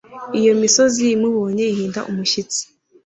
iyo imisozi imubonye, ihinda umushyitsi